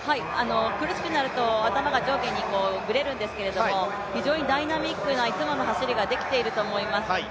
苦しくなると頭が上下にぶれるんですけれども、非常にダイナミックないつもの走りができていると思います。